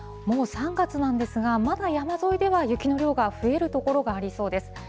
もう３月なんですが、まだ山沿いでは雪の量が増える所がありそうです。